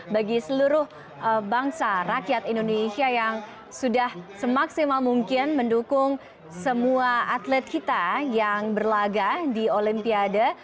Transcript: bagi seluruh bangsa rakyat indonesia yang sudah semaksimal mungkin mendukung semua atlet kita yang berlaga di olimpiade